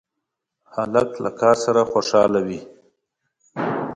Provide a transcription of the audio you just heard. هلک له کار سره خوشحاله وي.